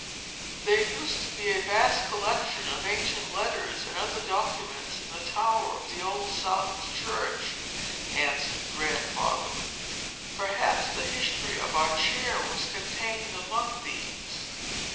"There used to be a vast collection of ancient letters and other documents, in the tower of the old South Church," answered Grandfather. "Perhaps the history of our chair was contained among these.